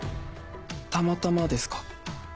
たまたまですか？